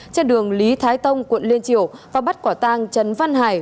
trên đường lý thái tông quận liên triều và bắt quả tang trần văn hải